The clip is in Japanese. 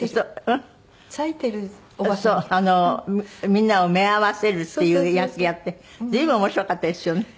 そうあのみんなをめあわせるっていう役やって随分面白かったですよね。